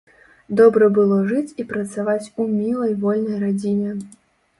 Добра было жыць і працаваць у мілай вольнай радзіме.